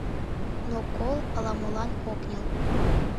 Но кол ала-молан ок нел.